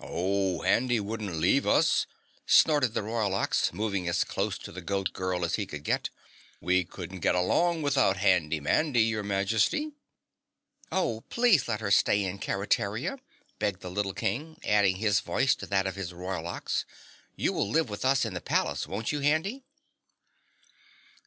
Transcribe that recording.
"Oh, Handy wouldn't leave us!" snorted the Royal Ox, moving as close to the Goat Girl as he could get. "We couldn't get along without Handy Mandy, your Majesty." "Oh, please let her stay in Keretaria," begged the little King adding his voice to that of his Royal Ox. "You will live with us in the palace, won't you Handy?"